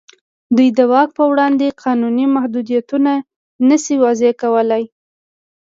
دوی د واک په وړاندې قانوني محدودیتونه نه شي وضع کولای.